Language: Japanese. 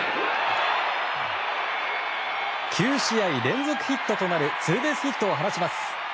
９試合連続ヒットとなるツーベースヒットを放ちます。